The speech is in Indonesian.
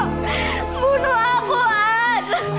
bunuh aku an